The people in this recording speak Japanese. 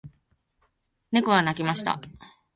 猫が鳴きました。